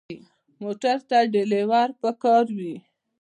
موټر ته ډرېور پکار وي.